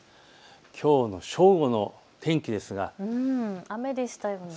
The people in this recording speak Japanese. きょうの正午の天気ですが雨でしたよね。